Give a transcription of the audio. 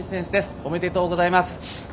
おめでとうございます。